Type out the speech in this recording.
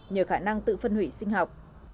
nhờ khả năng tự phân hủy sinh học